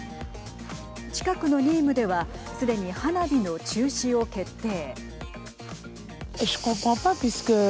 近くのニームではすでに花火の中止を決定。